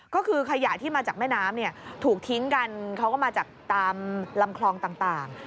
ก็คือขยะที่มาจากแม่น้ำเนี่ยถูกทิ้งกันเขาก็มาจากตามลำคลองต่าง